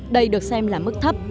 đây được xem là mức thấp